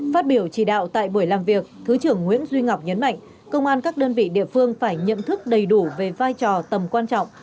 phát biểu chỉ đạo tại buổi làm việc thứ trưởng nguyễn duy ngọc nhấn mạnh công an các đơn vị địa phương phải nhận thức đầy đủ về vai trò tầm quan trọng